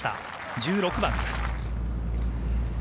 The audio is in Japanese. １６番です。